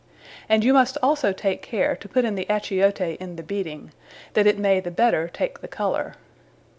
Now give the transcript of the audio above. And you must also take care, to put in the Achiote in the beating; that it may the better take the colour.